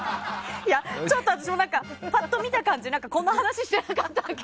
ちょっと私も、パッと見た感じこんな話してなかったっけ？